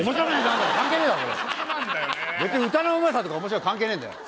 歌のうまさとか面白いの関係ねえんだよ